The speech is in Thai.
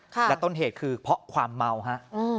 และต้นเหตุคือเพราะความเมาฮะ